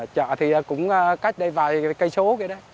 chợ thì cũng cách đây vài cây số kia đấy